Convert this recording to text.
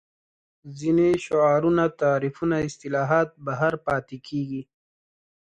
ځینې شعارونه تعریفونه اصطلاحات بهر پاتې کېږي